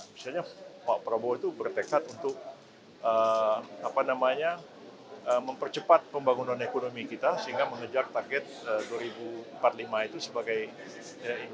misalnya pak prabowo itu bertekad untuk mempercepat pembangunan ekonomi kita sehingga mengejar target dua ribu empat puluh lima itu sebagai infrastruktur